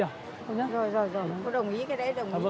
rồi rồi rồi cô đồng ý cái đấy đồng ý